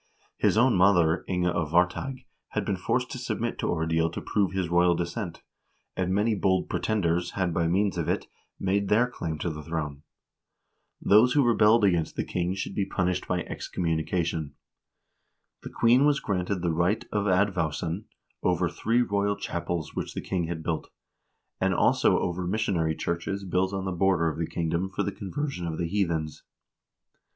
His own mother, Inga of Varteig, had been forced to submit to ordeal to prove his royal descent, and many bold pretenders had, by means of it, made good their claim to the throne. Those who rebelled against the king should be punished by excommunication. The queen was granted the right of advowson over three royal chapels which the king had built, and also over missionary churches built on the border of the kingdom for the conversion of the heathens.